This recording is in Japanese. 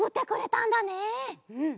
うん。